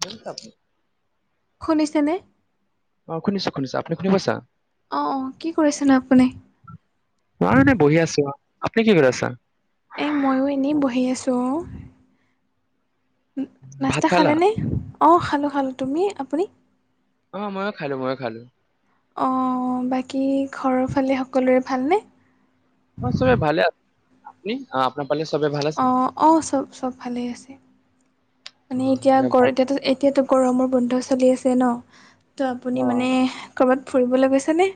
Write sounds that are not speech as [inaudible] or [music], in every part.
হ [unintelligible] কাপ শুনিছেনে?। অ', শুনিছোঁ শুনিছোঁ আপুনি শুনি পাইছা। অ', অ', কি কৰিছেনে আপুনি? মই এনে বহি আছোঁ আপুনি কি কৰি আছা। এই ময়ো এনেই বহি আছোঁ অ'। ভাত নাস্তা খালা খালেনে অ', খালোঁ খালোঁ তুমি আপুনি? অ', ময়ো খালো, ময়ো খালো। অ', বাকী ঘৰৰ ফালে সকলোৰে ভালনে? অহ চবে ভালে আছে। আ আপোনাৰ পালে চবে ভা অ', অ', চব, চব ভালেই আছে মানে এতিয়া এতি এতিয়াতো গৰমৰ বন্ধ চলি আছে ন তো অ আপুনি মানে ক'ৰবাত ফুৰিবলৈ গৈছেনে?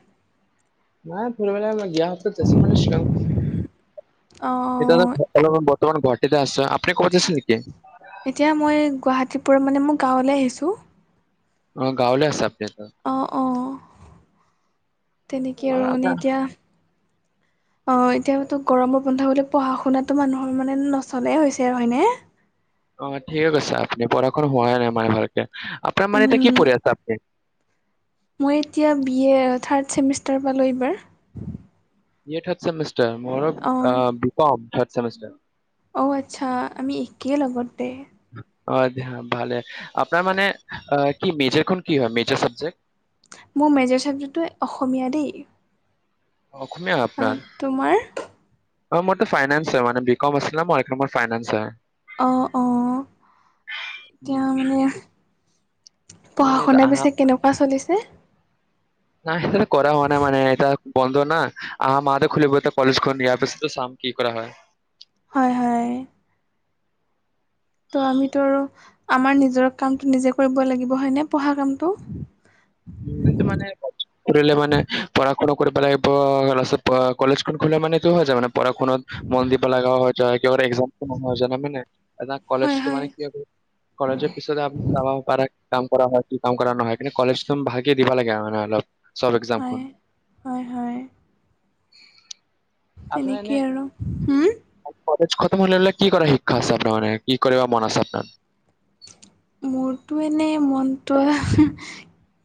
নাই ফৰিবেললে মই গিয়া হততছো মানে শ্বিলং [unintelligible] অ', অ'। দাদা অলপ বৰ্তমান গুৱাহাটী তে আছো আপনি ক'ত আছে নেকি। এতিয়া মই গুৱাহাটীপুৰাত মানে মোৰ গাঁৱলৈ আহিছোঁ। অ', গাঁৱলে আছাআপুনি। অ', অ', তেনেকেই অ আৰু মানে আপোনাৰ এতিয়া অ', এতিয়াতো গৰমৰ বন্ধা বুলি পঢ়া শুনাতো মানুহৰ মানে নচলেই হৈছে আৰু হয়নে। অ', ঠিকে কৈছা আপনি পঢ়া-শুনাৰ হোৱাাই নাই মানে ভালকে আপোনাৰ মানে এতিয়া কি উম পঢ়ি আছা আপুনি। মই এতিয়া বি এ থাৰ্ড ছেমিষ্টাৰ পালোঁ এইবাৰ। বি এ‌ থাৰ্ট চেমিষ্টাৰ মোৰো অ বি কম থাৰ্ট চেমিষ্টাৰ। অ', আচ্ছা আমি একেই লগতে। অ', ভালে আপোনাৰ মানে আহ কি মেজৰখন কি হয় মেজাৰ চাবজেক্ট। মোৰ মেজৰ চাৱজেক্টোৱ অসমীয়া দেই। অসম অসমীয়া আৰু আপোনাৰ। তোমাৰ অ', মোৰ তো ফাইনেন্স হয় মান বি কম আছিলে মই মোৰ ফাইনেন্স হয়। অ', অ', এতিয়া মানে পঢ়া মানে এতিয়া শুনা আহা পিছে কেনেকুৱা চলিছে। নাই মানে কৰা হোৱা নাই মানে এটা। বন্ধ না অহা মাহত হে খুলিব এতিয়া কলেজখন ইয়াৰ পিছতে চাম কি কৰা হয়। হয়, হয়। তো আমিতো আৰু আমাৰ নিজৰ কামটো নিজে কৰিব লাগিব হয় নে পঢ়া কামটো। উ এইটো মানে খুলিলে মানে পঢ়া শুনা কৰিব লাগিব পাছত কলেজখন খুলিলে মানে এটো হৈ যাব মানে পঢ়া শুনা মন দি পেলাই লগ হৈ যায় কিয় এক্সাম টো হৈ যায় না মানে কলেজটো মানে কি হয়। কলেজৰ পিছতে আপনি চাব পাৰে কি কাম কৰা হয় কি কাম কৰা ন হয় কি কলেজ একদম ভালকে দিবা লাগে মানে অলপ চব, হয় এক্সামবোৰ। হয় হয় সেনেকেই আৰু হম, কলেজ খতম হ'লে হ'লে কি কৰা শিক্ষা আছে, আপোনাৰ মানে কি কৰিব মন আছে আপোনাৰ। মোৰতো এনেই, মনটোৱা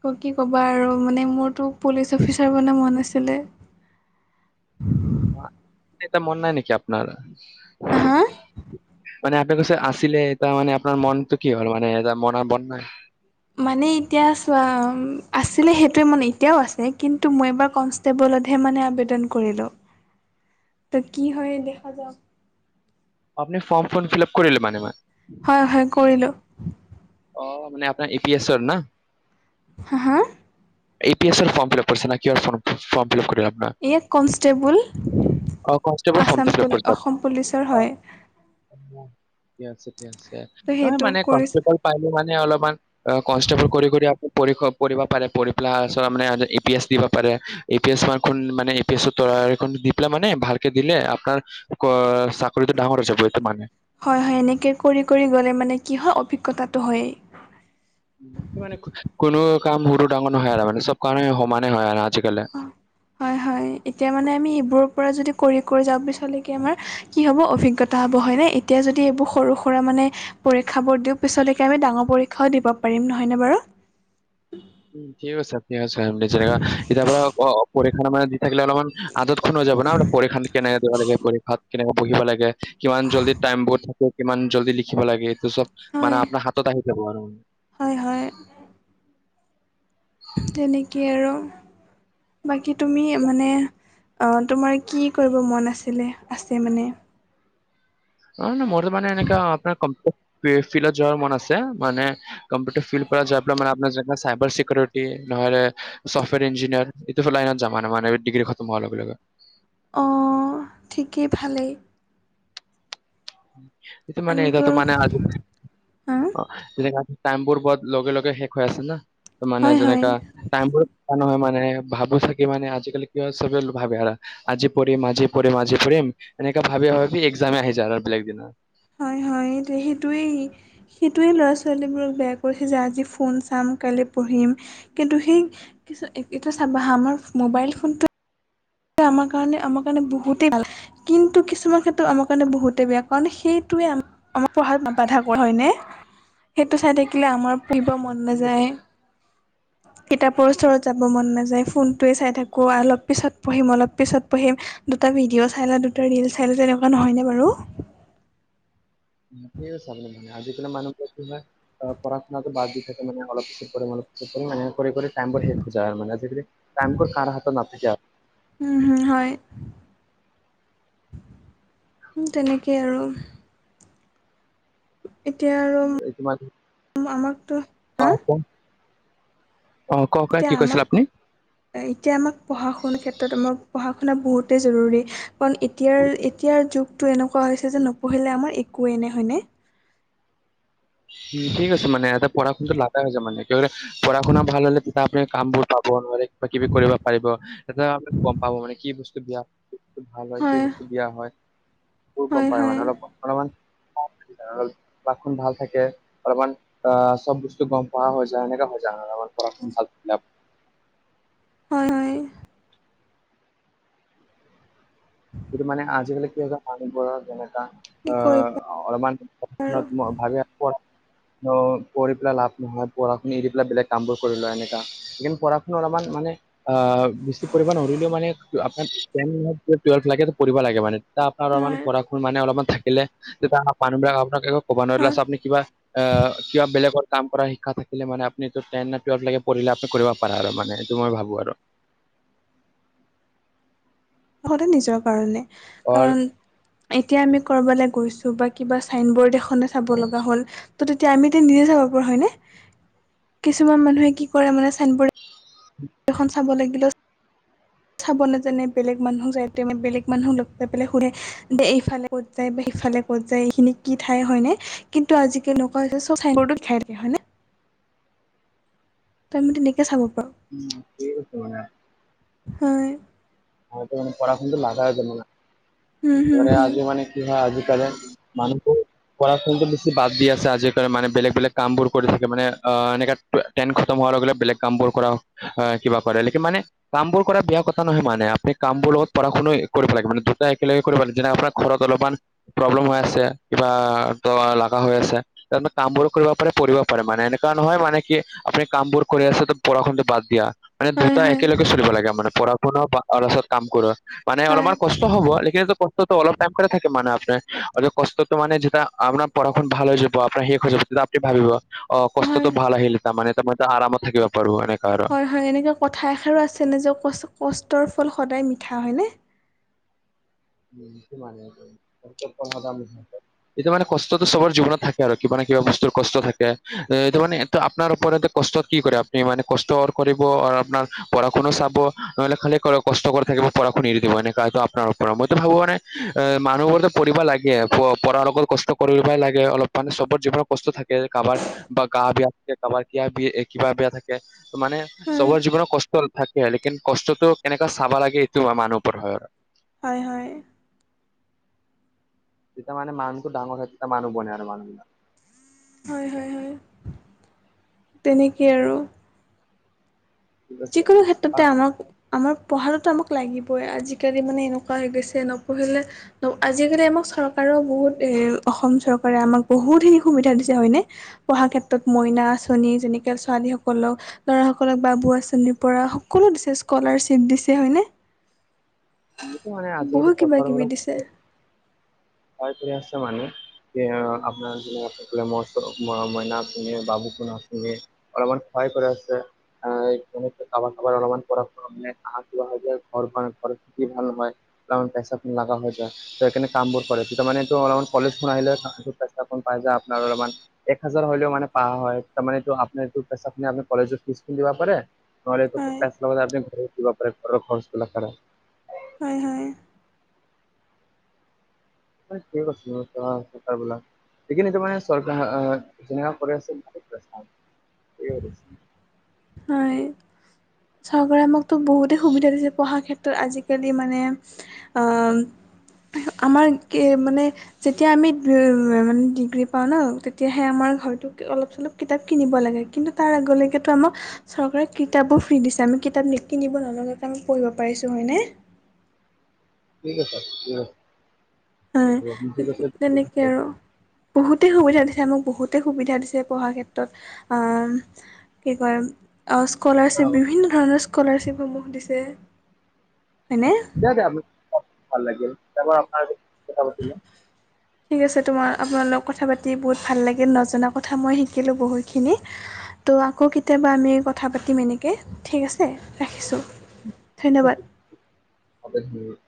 ত, কি ক'বা আৰু মানে মোৰতো পুলিচ অফিচাৰ বনাৰ মন আছিলে। এতিয়া মন নাই নেকি আপোনাৰ? হা, মানে আপুনি কৈছে আছিলে, ত মানে আপোনাৰ মনতটো কি হ'ল মানে বনাৰ মন নাই মানে এতিয়া চোৱা, আছিলে সেইটোৱে মানে এতিয়াও আছে কিন্তু মই এবাৰ কনস্ট টেবলতহে মানে আবেদন কৰিলোঁ, ত কি হয় দেখা যাওক। আপনি ফৰ্ম খন ফিল আপ কৰিলে মানে ম হয় হয়, কৰিলোঁ। অ, মানে আপোনাৰ ই, পি এছৰ না। হা, হা, এপি এছৰ ফৰ্ম ফিলাপ কৰিছে ন কিহৰ ফৰ্ম ফিলাপ কৰি ইয়ে কনষ্টেবল, অ কনষ্টেবল ফৰ্মটো আছাম পু, অসম পুলিচৰ হয়। ঠিক আছে, ঠিক আছে, ত' নহয় সেইটো মানে কৰিছ কনষ্টেবল পাইলে মানে অলপমান কনষ্টেবল কৰি কৰি আপুনি পঢ়িব পাৰে পঢ়ি পেলাই আ, মানে এপি এছ দিবা পাৰে। এ, পি, এছ, মাৰ ম এ, পি, এছৰ, ত দি পেলাই মানে ভালকে দিলে আপোনাৰ ক, চাকৰিটো ডাঙৰ হৈ যাব এ'ত মানে হয়, হয়, এনেকে কৰি কৰি গ'লে মানে কি হয় অভিজ্ঞতাটো হয়। মানে কোনো কাম সুৰু ডাঙৰ নহয় আৰু মানে চ'ব কামে সমানে হয় আৰু আজিকালি। হয়, হয়, এতিয়া মানে আমি এইবোৰৰ পৰা যদি কৰি কৰি যাওঁ পিচলেকে আমাৰ কি হ'ব অভিজ্ঞতা হ'ব, হয়নে এতিয়া যদি এইবোৰ সৰু সুৰা মানে পৰীক্ষাবোৰ দিওঁ পিছলৈকে আমি ডাঙৰ পৰীক্ষাও দিব পাৰিম নহয়নে বাৰু। উম, ঠিক আছে, ঠিক আছে, আমেনে ইতা বাৰু পৰীক্ষা মানে দি থাকিলে অলপমান আদতক্ষণ হৈ যাব না পৰীক্ষা কেনে দিব লাগে পৰীক্ষাত কেনেকে বহিব লাগে কিমান জল্দি টাইম বোৰ থাকে কিমান জল্দি লিখিব লাগে এইটো চ'ব মানে হয় আপোনাৰ হাত ত, আহি যাব আৰু। হয় হয়। তেনেকেই আৰু বাকী তুমি মানে তোমাৰ কি কৰিব মন আছিলে? আছে মানে। অ, ন মোৰো মানে এনেকা আপোনাৰ কম্পিউটাৰ ফিলত যোৱাৰ মন আছে মানে কম্পিউটাৰ ফিল্ড পৰা যায় মানে আপোনাৰ চাইবাৰ চিকিউৰিটী নহ'লে চফ্টৱেৰ ইঞ্জিনিয়াৰ এইটো লাইনত যাম মানে ডিগ্ৰী খতম হোৱাৰ লগে লগে। অ, ঠিকেই ভালেই। এটো মানে আমিতো এতিয়াটো মানে আজ- হা অ, তেনে টাইম বোৰ বত লগে লগে শেষ হৈ আছে না, ত মানে হয় যেনেকা হয় টাইম বোৰ এ, নহয় মানে ভাবো চাকি মানে আজিকালি কিয় হয় চবে ভাবে আৰু আজি পঢ়িম, আজি পঢ়িম, আজি পঢ়িম, এনেকা ভাবি ভাবি এক্সামে আহি যায় আৰু আৰু বেলেগ দিন হয় হয় সেইটোয়েই সেইটোৱে ল'ৰা-ছোৱালীবোৰক বেয়া কৰিছে যে আজি ফোন চাম কাইলৈ পঢ়িম। কিন্তু সেই কি, এটো চাবা হা আমাৰ মোবাইল ফোনটো আমাৰ কাৰণে, আমাৰ কাৰণে, বহুতেই ভাল। কিন্তু কিছুমান ক্ষেত্ৰত আমাৰ কাৰণে বহুতেই বেয়া, কাৰণ সেইটোৱে আমাৰ পঢ়াত ন বাধা কৰা হয়নে, সেইটো চাই থাকিলে আমাৰ পঢ়িব মন নাযায়। কিতাপৰ ওচৰত যাব মন নাযায়, ফোনটয়ে চাই থাকো। কোৱা অলপ পিছত পঢ়িম, অলপ পিছত পঢ়িম, দুটা ভিডিঅ' চাই লা দুটা ৰিল চাই লা তেনেকুৱা নহয়নে বাৰু। চাব মানে আজিকালি মানুহ কি হয়। পঢ়া শুনাটো বাৰ দি থাক মানে অলপ পিছত‌ পঢ়িম, অলপ পিছত পঢ়িম, মান কৰি টাইমবৰ শেষ যায় আৰু মান আজিকালি কামতো চাৰে সাত তাত মাতিছে আৰু। উম', হম' হয়। উম', তেনেকেই আৰু। এতিয়া আৰু মামাকতো অহ, কওঁ। অহ, কওঁ কোৱা এতিয়া কি কৈছিল আমাক আপুনি? এতিয়া আমাক পঢ়া -শুনাৰ ক্ষেত্ৰতো মোক পঢ়া শুনা বহুতেই জৰুৰী। কাৰণ এতিয়াৰ -এতিয়াৰ যুগটো এনেকুৱা হৈছে যে নপঢ়িলে আমাৰ একোৱেই নাই হয়নে? উম' ঠিক আছে মানে এটা পঢ়া শুনাটো লাগা হৈছে মানে পঢ়া শুনা ভাল হলে তেতিয়া আপুনি কাম বোৰ পাব নহলে কিবা কিবি কৰিব পাৰিব। এটা গম পাব, মানে কি বস্তু বেয়া। কি বস্তু ভাল হয়, কি বস্তু দিয়া হয়, বহুত গম হয় পায় হয় মানে অলপ অলমান [unintelligible] অলপমান ভাল থাকে। অলমান অহ, চব বস্তু গম পোৱা হৈ যায়। এনেকা হৈ যায় অলমান পঢ়া শুনা ভালে হয়, হয়। কিছুমানে আজিকালি কি হয় মানুহবোৰৰ যেনেকা। কি কৰিবা অহ, অলমান আৰু [unintelligible] মই। [unintelligible] অহ, পঢ়ি পেলাই লাভ নহয়, পঢ়া শুনি এৰি পেলাই বেলেগ কামবোৰ কৰি লয় এনেকা। সেই পঢ়া শুনা অলমান মানে অহ, বেছি পৰিমাণ হলেওঁ মানে আপাৰ [unintelligible] টোৱেলভ্য লাগে পঢ়িব লাগে মানে, ইটা আপোনাৰ অলপ মান হয় পঢ়া শুন মানে অলপমান থাকিলে তেতিয়া মানুহবিলাক আপোনাক হয় [unintelligible] আপুনি কিবা অহ, কিবা বেলেগ কাম কৰা শিক্ষা থাকিলে মানে আপুনিটো টেন ন' টুৱেলভ লৈকে পঢ়িলে আপুনি কৰিব পাৰা, আৰু মানে সেইটো মই ভাবো আৰু। সদায় নিজৰ কাৰণে, অৰ কাৰণ এতিয়া আমি ক'ৰবালৈ গৈছোঁ বা কিবা চাইন বৰ্ড এখনে চাব লগা হ'ল ত' তেতিয়া আমি [unintelligible] নিজে চাব পৰা হয়নে? কিছুমান মানুহে কি কৰে মানে, চাইন বৰ্ড খন চাব লাগিলেও চাব নেজানে, বেলেগ মানুহ যায় [unintelligible] বেলেগ মানুহক লগ পাই পেলাই শুধে দে এইফালে ক'ত যায় বা সিফালে ক'ত যায়, এইখিনি কি ঠাই হয়নে? কিন্তু আজিকালি এনেকুৱা হৈছে, চব চাইন বৰ্ডটোত লিখাই থাকে হয়নে? তই মই তেনেকে চাব পাৰোঁ। [unintelligible] হয়। হয় মানে পঢ়া শুনাটো লাগা হৈ যাব না, উম হুম এ হুম আজি মানে কি হয় আজিকালি মানুহবোৰ পঢ়া শুনাটো বেছি বাদ দি আছে [unintelligible] মানে বেলেগ বেলেগ কামবোৰ কৰি থাকে মানে, অ' এনেকা টেন খতম হোৱাৰ লগে লগে বেলেগ কাম বোৰ কৰা, কিবা কৰে [unintelligible] মানে কামবোৰ কৰা বেয়া কথা নহয় মানে আ সেই কামবোৰ লগত পঢ়া-শুনা কৰিব লাগে, মানে দুটা একেলগে কৰিব লাগে যেনে আপোনাৰ ঘৰত অলমান প্ৰব্লেম হৈ আছে, কিবা [unintelligible] লাগা হৈ আছে তাৰপে কামবোৰো কৰিব পাৰে, পঢ়িব পাৰে। মানে এনেকা‌‌ নহয়, মানে কি আপুনি কামবোৰ কৰি আছে পঢ়া-শুনাটো বাদ দিয়া। মানে হয় দুটা হয় একেলগে চলিব লাগে, মানে পঢ়া-শুনা বা [unintelligible] কাম কৰা। মানে হয় অলমান কষ্ট হ'ব, [unintelligible] কষ্টতো অলপ টাইমৰ কাৰনে থাকে মানে‌ [unintelligible] অতি কষ্টতো মানে [unintelligible] ভাল হৈ যাব, আপোনাৰ শেষ হৈ যাব তেতিয়া আপনি ভাবিব। অ', হয় কষ্টটো ভাল আহিল, তাৰমানে [unintelligible] মই আৰামত থাকিব পাৰো এনেকা আৰু। হয়, এনেকে কথা এষাৰো আছেনে যে কষ্ট-কষ্টৰ ফল সদায় মিঠা হয়নে? [unintelligible] এইটো মানে কষ্টটো চবৰ জীৱনত থাকে আৰু কিবা ন' কিবা বস্তুৰ কষ্ট থাকে, এ এইটো মানে ত' আপনাৰ ওপৰতে কষ্ট কি কৰে আপনি, মানে কষ্ট কৰিব আৰু আপনাৰ পঢ়া-শুনো চাব ন'হলে [unintelligible] কৰক কষ্ট কৰি থাকিব পঢ়া খিনি এৰি দিব, এনেকা [unintelligible] আপনাৰ মইতো ভাবো মানে এ মানুহবোৰেতো পঢ়িব লাগে, পঢ়াৰ লগত কষ্ট কৰিবাই লাগে অলপ মানে চবত যীবোৰৰ কষ্ট থাকে কাৰবাৰ বা গা বেয়া থাকে, কাৰবাৰ কিয়া বি কিবা বেয়া থাকে। ত' মানে চবৰ হয় জীৱনত কষ্ট থাকে লকিন কষ্টতটো কেনেককা চাব লাগে এইটো মানুহ ওপৰত হয় আৰু। হয়-হয়। যেতিয়া মানোনু ডাঙৰ হয়ে তেতি মানুহ বনে আৰু মানুবিলাক। হয়-হয়-হয় তেনেকেই আৰু। ঠিক যিকোনো আছে ক্ষেত্ৰতে আমাক আমাৰ পঢ়াততো আমাক লাগিবই আজিকালি মানে এনেকুৱা হৈ গৈছে। নপঢ়িলে ত' আজিকালি আমাক চৰকাৰৰ বহুত এ অসম চৰকাৰে আমাক বহুতখিনি সুবিধা দিছে হয়নে। পঢ়া ক্ষেত্ৰত মইনা আঁচনি যেনেকে ছোৱালী সকলক, লৰা সকলক বাবু আঁচনি। ছেনীৰ পৰা সকলো দিছে স্কলাৰশ্বিপ দিছে হয়নে। সেইটো মানে বহু আজিকালি কিবা কিবি চৰকাৰবিলাক দিছে। কৰি আছে মানে আপোনাৰ মইনা শুনে বাবুকনা শুনে [unintelligible] অলমান ভয় কৰি আছে। আহনেক খাবাৰ খাবাৰ অলপমান কৰা নাইিবা হয় যায় ঘৰ ঘতি ভাল নহয়। পইচা লগা হৈ যায় ত' এখনে কামবোৰ কৰে। তেতিয়া মানেতো অলপমান কলেজখন আহিলে চেষ্টাপোন পাই যায় আপোনাৰ অলপমান এক হাজাৰ হলেও মানে পা হয় তাৰ এইটো আপোনাৰ এই পইচা খিনিপ কলেজত ফিজ খিনি দিবা পাৰে। হয় [unintelligible] হয়-হয়। ঠিক আছ তবলাক। [unintelligible] সখিন তাৰ মানে চৰকাৰ আহ যেনেকুৱা কৰে আছে। হয় চৰকাৰে আমাকতো বহুতে সুবিধা দিছে পঢ়া ক্ষেত্ৰত। আজিাল খি মানে আহ, আমাৰ কি মানে যেতিয়া আমি মানে ডিগ্ৰী পাওঁ ন' তেতিয়াহে আমাৰ ঘৰটোক অলপ চলপ কিতাপ কিনিব লাগে কিন্তু তাৰ আগলৈকেতো আমাক চৰকাৰে কিতাপো ফ্ৰী দিছে আমি কিতাপ নিকিনিব নালোঁ আমি পঢ়িব পাৰিছোঁ হয়নে। ঠিক আছে দিয়া। হয়। তেনেকে আৰু বহুতেই সুবিধা দিছে আমাক বহুতে সুবিধা দিছে পঢ়াৰ ক্ষেত্ৰত। কি কয় স্কলাৰশ্বিপ বিভিন্ন ধৰণৰ স্কলাৰশ্বিপসমূহ দিছে। হয়নে দিয় দে আ ভাল লাগিল তাৰ আপোনাৰ কথা পাতিলো। হয়। [unintelligible] ঠিক আছে তোমাৰ আপোনালোক কথা পাতি বহুত ভাল লাগিল নজনা কথা মই শিকিলো বহুতখিনি। ত' আকৌ কেতিয়াবা আমি কথা পাতিম এনেকৈ ঠিক আছে ৰাখিছোঁ। ধন্যবাদ [unintelligible]